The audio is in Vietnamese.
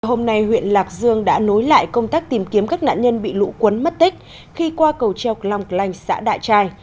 hôm nay huyện lạc dương đã nối lại công tác tìm kiếm các nạn nhân bị lũ cuốn mất tích khi qua cầu treo long lanh xã đại trai